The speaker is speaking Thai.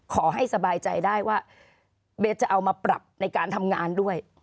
ขอให้สบายใจได้ว่าเบสจะเอามาปรับในการทำงานด้วย